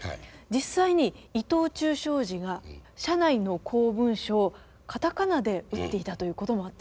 実際に伊藤忠商事が社内の公文書をカタカナで打っていたということもあったんですね。